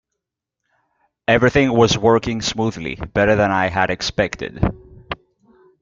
Everything was working smoothly, better than I had expected.